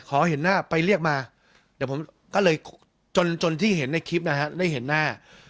เห็นหน้าไปเรียกมาเดี๋ยวผมก็เลยจนที่เห็นในคลิปนะฮะได้เห็นหน้า